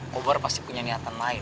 kobar pasti punya niatan lain